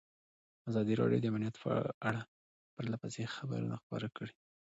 ازادي راډیو د امنیت په اړه پرله پسې خبرونه خپاره کړي.